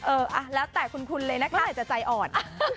เออแล้วแต่คุณเลยนะคะใครจะใจอ่อน